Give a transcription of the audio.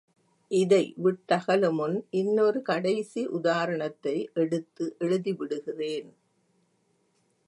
இதை விட்டகலுமுன் இன்னொரு கடைசி உதாரணத்தை எடுத்து எழுதிவிடுகிறேன்.